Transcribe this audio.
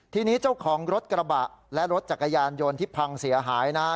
ทีนี้เจ้าของรถกระบะและรถจักรยานยนต์ที่พังเสียหายนะฮะ